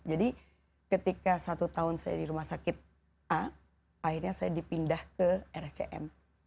jadi ketika satu tahun saya di rumah sakit a akhirnya saya dipindah ke rsjm